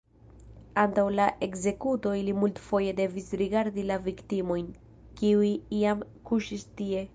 Antaŭ la ekzekuto ili multfoje devis rigardi la viktimojn, kiuj jam kuŝis tie.